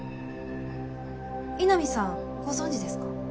井波さんご存じですか？